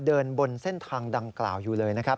บนเส้นทางดังกล่าวอยู่เลยนะครับ